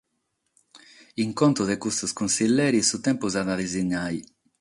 In contu de custos cussigeris su tèmpus at a disinnare.